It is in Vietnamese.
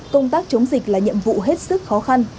công tác chống dịch là nhiệm vụ hết sức khó khăn